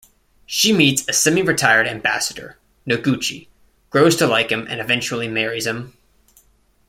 She meets a semi-retired ambassador, Noguchi, grows to like him, and eventually marries him.